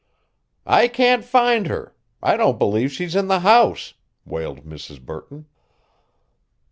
"I can't find her I don't believe she's in the house," wailed Mrs. Burton.